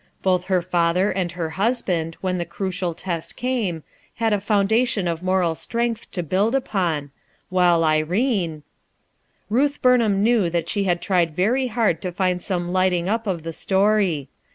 Both her father and her husband, when the crucial test came, had a foundation of moral strength to build upon; while Irene — Ruth Burnham knew that she had tried very hard to find some lighting up of the story.